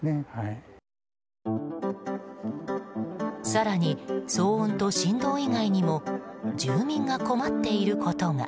更に、騒音と振動以外にも住民が困っていることが。